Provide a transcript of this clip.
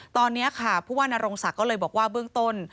ตอนนี้ค่ะผู้ว่านรงศักดิ์ก็เลยบอกว่าเบื้องต้น